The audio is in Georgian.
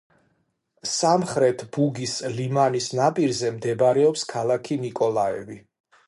სამხრეთ ბუგის ლიმანის ნაპირზე მდებარეობს ქალაქი ნიკოლაევი.